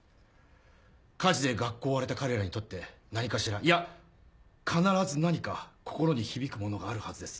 火事で学校を追われた彼らにとって何かしらいや必ず何か心に響くものがあるはずです。